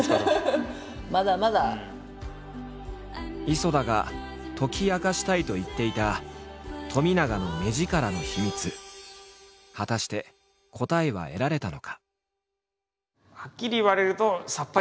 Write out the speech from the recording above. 磯田が解き明かしたいと言っていた冨永の果たして答えは得られたのか？